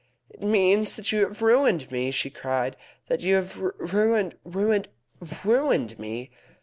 "It means that you have ruined me," she cried. "That you have ruined ruined ruined me!